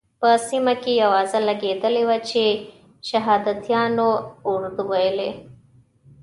په سیمه کې اوازه لګېدلې وه چې شهادیانو اردو ویلې.